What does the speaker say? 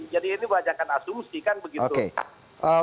jadi ini banyak kan asumsi kan begitu